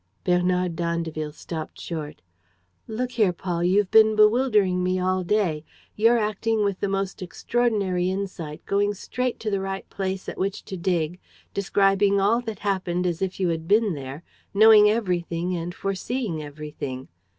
Bernard d'Andeville stopped short: "Look here, Paul, you've been bewildering me all day. You're acting with the most extraordinary insight, going straight to the right place at which to dig, describing all that happened as if you had been there, knowing everything and foreseeing everything.